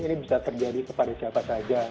ini bisa terjadi kepada siapa saja